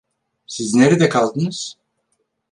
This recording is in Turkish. Siz nerede kaldınız?